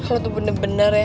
lo tuh bener bener ya